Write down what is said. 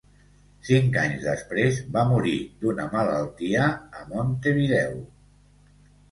Cinc anys després va morir d'una malaltia a Montevideo.